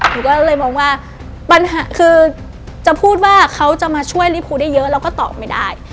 หนูก็เลยมองว่าปัญหาคือจะพูดว่าเขาจะมาช่วยลิภูได้เยอะเราก็ตอบไม่ได้